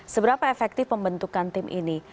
seberapa efektif pembentukan tim ini